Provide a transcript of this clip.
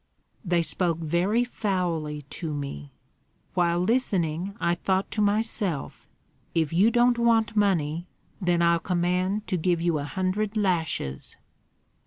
They spoke very foully to me; while listening, I thought to myself: 'If you don't want money, then I'll command to give you a hundred lashes.'"